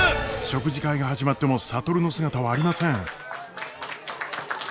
食事会が始まっても智の姿はありません。